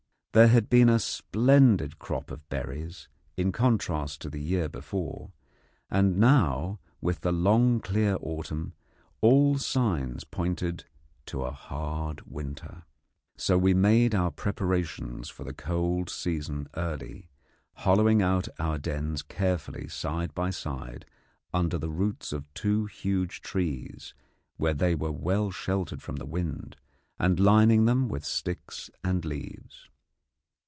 There had been a splendid crop of berries, in contrast to the year before, and now, with the long clear autumn, all signs pointed to a hard winter. So we made our preparations for the cold season early, hollowing out our dens carefully side by side under the roots of two huge trees, where they were well sheltered from the wind, and lining them with sticks and leaves.